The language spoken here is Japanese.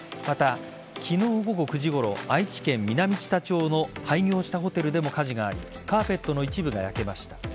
また、昨日午後９時ごろ愛知県南知多町の廃業したホテルでも火事がありカーペットの一部が焼けました。